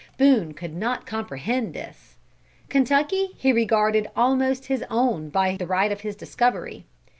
Boone could not comprehend this. Kentucky he regarded almost his own by the right of his discovery.